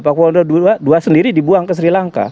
paku buwono ii sendiri dibuang ke sri lanka